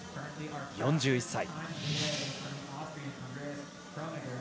４１歳。